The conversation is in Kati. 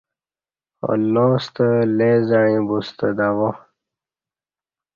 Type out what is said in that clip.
اللہ ستہ لے زعیں بوستہ دوا